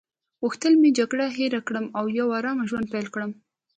غوښتل مې جګړه هیره کړم او یو آرامه ژوند پیل کړم.